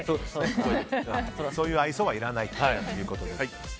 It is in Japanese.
そういう愛想はいらないということです。